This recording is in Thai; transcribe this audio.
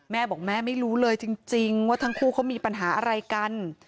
แม่บอกแม่ไม่รู้เลยจริงว่าทั้งคู่เขามีปัญหาอะไรกัน